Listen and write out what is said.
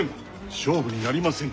勝負になりませぬ。